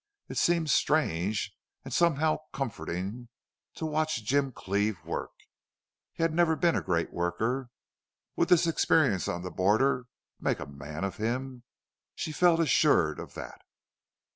It seemed strange, and somehow comforting, to watch Jim Cleve work. He had never been a great worker. Would this experience on the border make a man of him? She felt assured of that.